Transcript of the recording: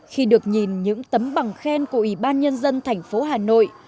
khi được nhìn những tấm bằng khen của ủy ban nhân dân thành phố hà nội